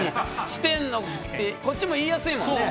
こっちも言いやすいもんね。